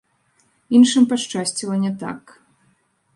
Іншым пашчасціла не так.